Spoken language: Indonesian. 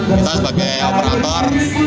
kita sebagai operator